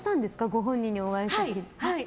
ご本人にお会いした時に。